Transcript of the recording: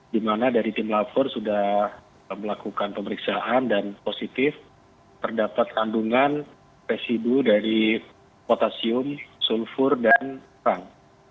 di mana dari tim lafor sudah melakukan pemeriksaan dan positif terdapat kandungan residu dari potasium sulfur dan perang